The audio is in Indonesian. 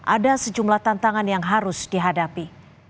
ada sejumlah tantangan yang harus dihadapi